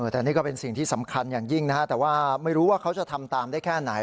แต่นี่ก็เป็นสิ่งที่สำคัญอย่างยิ่งนะฮะแต่ว่าไม่รู้ว่าเขาจะทำตามได้แค่ไหน